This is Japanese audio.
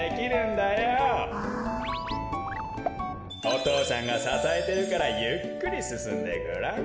お父さんがささえてるからゆっくりすすんでごらん。